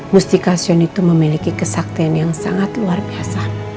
mustikasion itu memiliki kesakit yang sangat luar biasa